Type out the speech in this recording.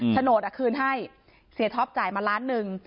โฉนดคืนให้เสียท็อปจ่ายมาล้านหนึ่ง